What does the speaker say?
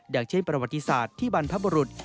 อย่างเช่นประวัติศาสตร์ที่บรรพบรุษ